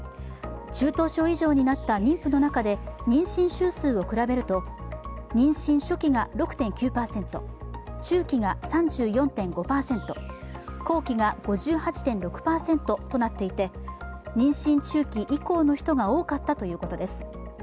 中等症以上になった妊婦の中で妊娠週数を比べると妊娠初期が６．９％中期が３４．５％後期が５８．６％となっていて、妊娠中期以降の人が多かったということです。